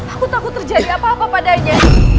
aku takut terjadi apa apa padanya